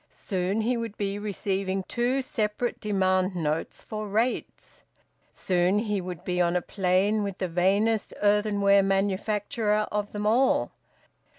Soon he would be receiving two separate demand notes for rates. Soon he would be on a plane with the vainest earthenware manufacturer of them all.